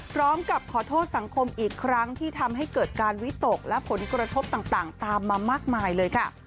พร้อมกับขอโทษสังคมอีกครั้งที่ทำให้เกิดการวิตกและผลกระทบต่างตามมามากมายเลยค่ะ